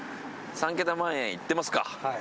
３桁万円いってますか。